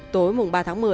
tối mùng ba tháng một mươi